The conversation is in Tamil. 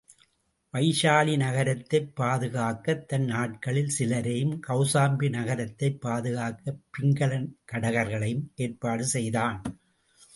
வைசாலிநகரத்தைப் பாதுகாக்கத் தன் ஆட்களில் சிலரையும், கௌசாம்பி நகரத்தைப் பாதுகாக்கப் பிங்கல கடகர்களையும் ஏற்பாடு செய்தான்.